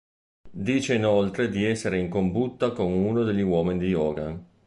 Dice inoltre di essere in combutta con uno degli uomini di Hogan.